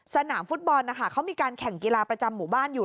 สนามฟุตบอลนะคะเขามีการแข่งกีฬาประจำหมู่บ้านอยู่